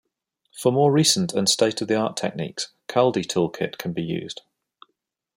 For more recent and state-of-the-art techniques, Kaldi toolkit can be used.